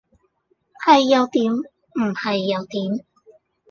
係又點唔係又點？